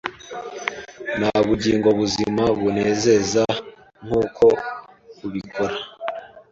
Nta bugingo buzima bunezeza nkuko ubikora